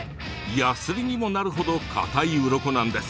やすりにもなるほど硬いうろこなんです。